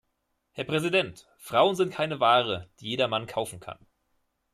Herr Präsident! Frauen sind keine Ware, die jeder Mann kaufen kann.